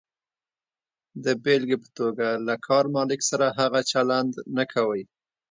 د بېلګې په توګه، له کار مالک سره هغه چلند نه کوئ.